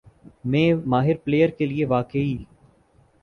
میں ماہر پلئیر کے لیے واقعی